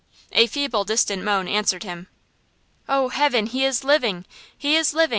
A feeble distant moan answered him. "Oh, heaven! He is living! He is living!